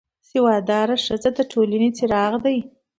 سواد داره ښځه د ټولنې څراغ ده